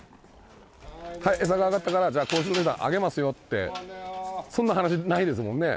はい餌が上がったから子牛の値段上げますよってそんな話ないですもんね。